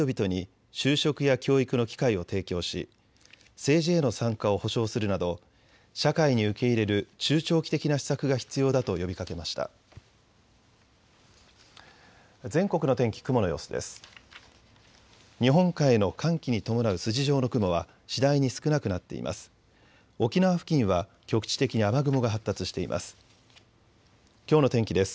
日本海の寒気に伴う筋状の雲は次第に少なくなっています。